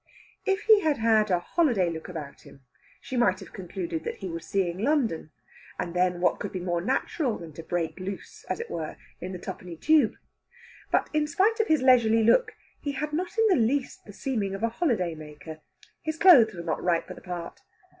If he had had a holiday look about him she might have concluded that he was seeing London, and then what could be more natural than to break loose, as it were, in the Twopenny Tube? But in spite of his leisurely look, he had not in the least the seeming of a holiday maker. His clothes were not right for the part.